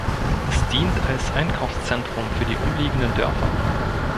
Es dient als Einkaufszentrum für die umliegenden Dörfer.